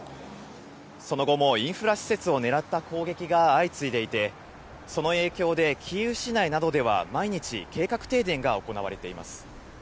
その後もインフラ施設を狙った攻撃が相次いでいて、その影響でキーウ市内などでは毎日計画停電が行われています。